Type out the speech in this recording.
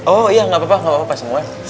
oh iya gak apa apa pak semuanya